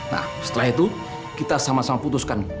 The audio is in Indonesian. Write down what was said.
nah setelah itu kita sama sama putuskan